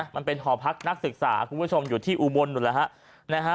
มันเป็นห่อพักนักศึกษาคุณผู้ชมอยู่ที่อุมลดูแล้ว